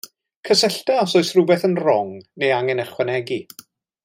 Cysyllta os oes rhywbeth yn rong neu angen ychwanegu.